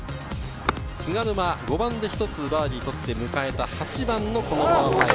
菅沼、５番で１つバーディー取って迎えた８番のこのパー